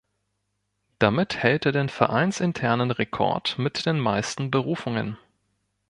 Damit hält er den vereinsinternen Rekord mit den meisten Berufungen.